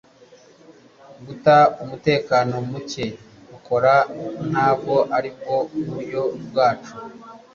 guta umutekano muke ukora ntabwo aribwo buryo bwacu